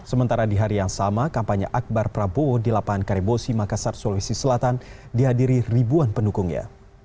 sementara di hari yang sama kampanye akbar prabowo di lapangan karibosi makassar sulawesi selatan dihadiri ribuan pendukungnya